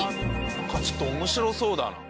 何かちょっと面白そうだな。